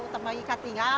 untuk mengikuti tinggal